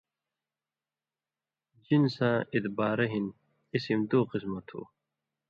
جِنِساں اِدبارہ ہِن اسم دُو قسمہ تُھو